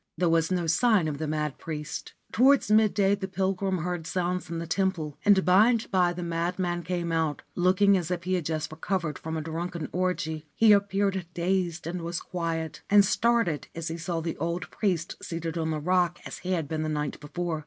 There was no sign of the mad priest. Towards midday the pilgrim heard sounds in the temple ; and by and by the madman came out, looking as if he had just recovered from a drunken orgy. He appeared dazed and was quiet, and started as he saw the old priest seated on the rock as he had been the night before.